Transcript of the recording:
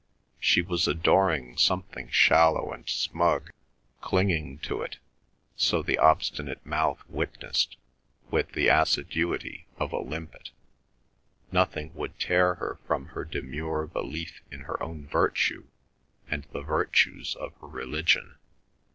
She was adoring something shallow and smug, clinging to it, so the obstinate mouth witnessed, with the assiduity of a limpet; nothing would tear her from her demure belief in her own virtue and the virtues of her religion.